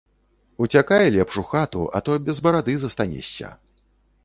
Уцякай лепш у хату, а то без барады застанешся.